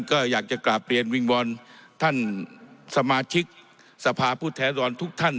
ก็อยากจะกราบเรียนวิงวอนท่านสมาชิกสภาพผู้แทนรทุกท่าน